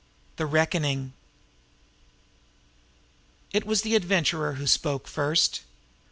THE RECKONING It was the Adventurer who spoke first.